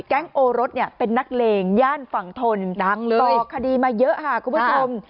โอรสเนี่ยเป็นนักเลงย่านฝั่งทนดังเลยต่อคดีมาเยอะค่ะคุณผู้ชม